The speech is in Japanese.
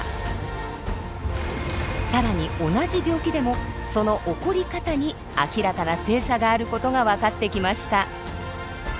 更に同じ病気でもその起こり方に明らかな性差があることが分かってきました。